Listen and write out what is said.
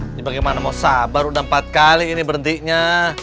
ini bagaimana mau sabar udah empat kali ini berhentinya